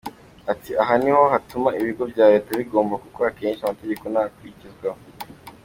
Ati ‘Aha ni ho hatuma ibigo bya Leta bihomba kuko akenshi amategeko ntakurikizwa.